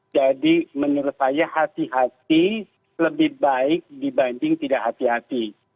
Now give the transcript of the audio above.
jadi menurut saya hati hati lebih baik dibanding tidak hati hati